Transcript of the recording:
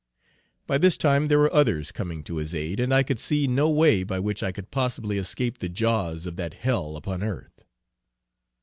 By this time there were others coming to his aid, and I could see no way by which I could possibly escape the jaws of that hell upon earth.